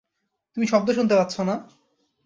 তুমি শব্দ শুনতে পাচ্ছ না?